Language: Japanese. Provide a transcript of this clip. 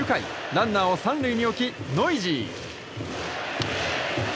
ランナーを３塁に置きノイジー。